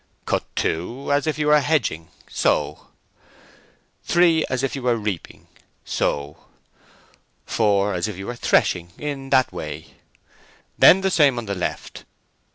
"Cut two, as if you were hedging—so. Three, as if you were reaping—so. Four, as if you were threshing—in that way. Then the same on the left.